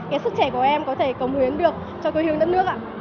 cái sức trẻ của em có thể cống huyến được cho cư hương đất nước ạ